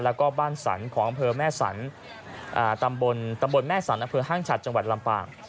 แล้วก็บ้านสรรของอำเภอแม่สันตำบลตำบลแม่สรรอำเภอห้างฉัดจังหวัดลำปาง